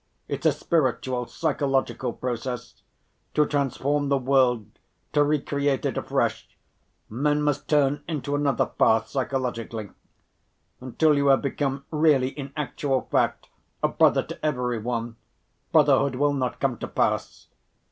It's a spiritual, psychological process. To transform the world, to recreate it afresh, men must turn into another path psychologically. Until you have become really, in actual fact, a brother to every one, brotherhood will not come to pass.